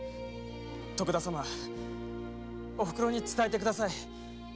おふくろに伝えてください。